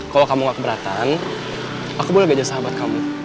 kalau kamu gak keberatan aku boleh belajar sahabat kamu